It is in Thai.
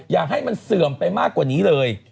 อย่าให้มันเสื่อมไปมากกว่านี้เลย